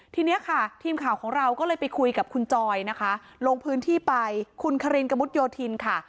ทีนี้ค่ะทีมข่าวของเราก็เลยไปคุยกับคุณจอยนะคะลงพื้นที่ไปคุณคารินกระมุดโยธินค่ะ